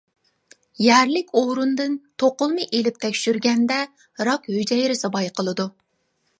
يەرلىك ئورۇندىن توقۇلما ئېلىپ تەكشۈرگەندە راك ھۈجەيرىسى بايقىلىدۇ.